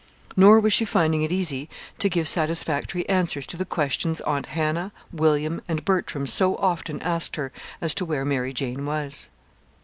Nor was she finding it easy to give satisfactory answers to the questions Aunt Hannah, William, and Bertram so often asked her as to where Mary Jane was.